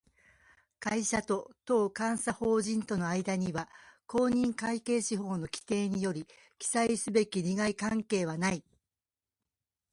会社と当監査法人との間には、公認会計士法の規定により記載すべき利害関係はない